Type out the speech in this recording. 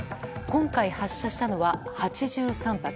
今回発射したのは８３発。